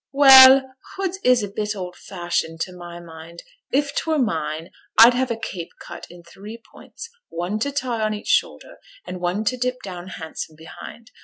'Well; hoods is a bit old fashioned, to my mind. If 't were mine, I'd have a cape cut i' three points, one to tie on each shoulder, and one to dip down handsome behind.